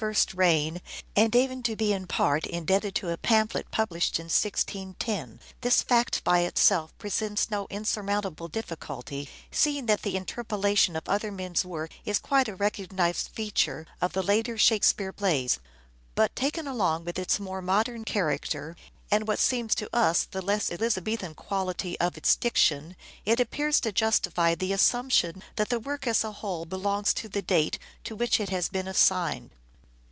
L events in reign and even to be in part indebted to a pamphlet the play, published in 1610. This fact by itself presents no insurmountable difficulty, seeing that the interpolation of other men's work is quite a recognized feature of the later Shakespearean plays ; but, taken along with its more modern character, and, what seems to us the less Elizabethan quality of its diction, it appears to justify the assumption that the work as a whole belongs to the date to which it has been assigned.